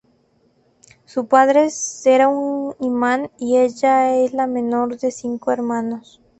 Su padre era un imán y ella es la menor de cinco hermanos.